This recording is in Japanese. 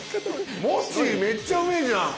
モッチーめっちゃうめえじゃん！